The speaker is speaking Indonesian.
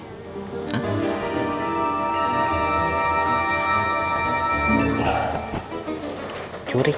tapi ditakut takutin sama jurik